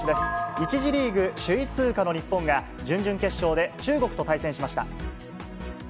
１次リーグ首位通過の日本が、準々決勝で中国と対戦しました。